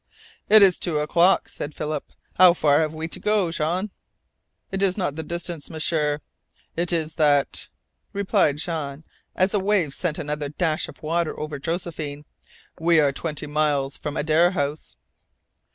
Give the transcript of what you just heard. "It is two o'clock," said Philip. "How far have we to go, Jean?" "It is not the distance, M'sieur it is that," replied Jean, as a wave sent another dash of water over Josephine. "We are twenty miles from Adare House."